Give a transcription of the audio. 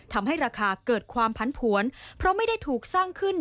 ทำให้ราคาเกิดความผันผวนเพราะไม่ได้ถูกสร้างขึ้น